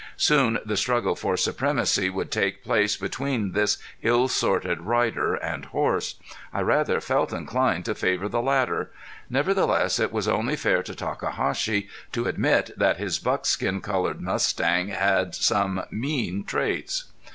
Soon the struggle for supremacy would take place between this ill assorted rider and horse. I rather felt inclined to favor the latter; nevertheless it was only fair to Takahashi to admit that his buckskin colored mustang had some mean traits.